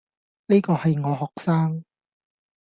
呢個係我學生